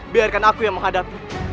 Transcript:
biarkan aku yang menghadapi